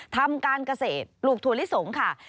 ทำการเกษตรปลูกถั่วลิสงค่ะ